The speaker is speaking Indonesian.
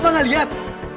lo pernah liat